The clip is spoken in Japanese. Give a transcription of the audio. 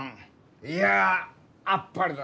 いやあっぱれだ！